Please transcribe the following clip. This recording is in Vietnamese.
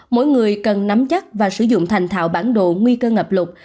mỗi người cần nắm chắc và sử dụng thành thạo bản đồ nguy cơ ngập lụt